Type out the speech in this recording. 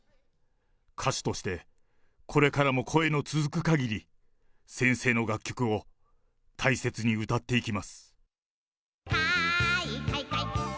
歌手として、これからも声の続くかぎり、先生の楽曲を大切に歌っていきます。